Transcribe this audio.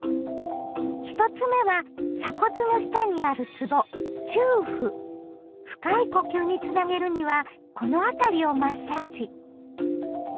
１つ目は鎖骨の下にあるつぼ深い呼吸につなげるにはこの辺りをマッサージ。